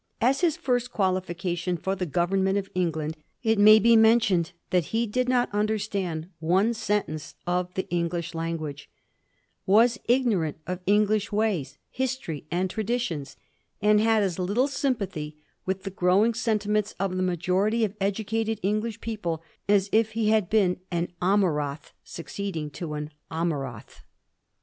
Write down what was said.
As his first qualification for the government of England, it may be mentioned that he did not understand one sentence of the English language, was ignorant of English ways, history and traditions, and had as little sympathy with the growing sentiments of the majority of educated English people as if he had been an Amurath succeeding an Amurath.